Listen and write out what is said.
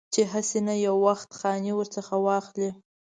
چې هسې نه یو وخت خاني ورڅخه واخلي.